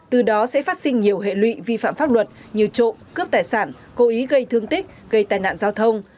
từ đó sẽ phát sinh nhiều hệ lụy vi phạm pháp luật như trộm cướp tài sản cố ý gây thương tích gây tai nạn giao thông